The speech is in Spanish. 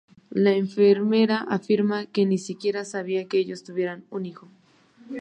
La enfermera afirma que ni siquiera sabía que ellos tuvieran un hijo.